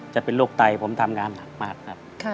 จะเป็นโรคไตผมทำงานหนักมากครับ